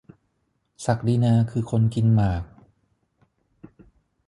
ศักดินาคือคนกินหมาก ?